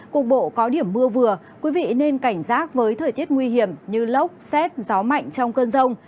cục bộ có điểm mưa vừa quý vị nên cảnh giác với thời tiết nguy hiểm như lốc xét gió mạnh trong cơn rông